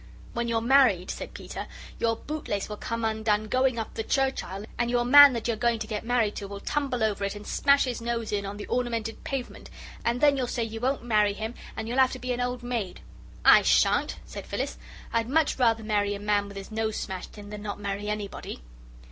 "When you're married," said Peter, "your bootlace will come undone going up the church aisle, and your man that you're going to get married to will tumble over it and smash his nose in on the ornamented pavement; and then you'll say you won't marry him, and you'll have to be an old maid." "I shan't," said Phyllis. "I'd much rather marry a man with his nose smashed in than not marry anybody."